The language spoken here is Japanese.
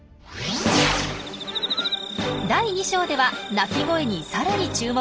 第２章では鳴き声にさらに注目。